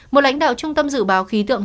một lãnh đạo trung tâm dự báo khí tượng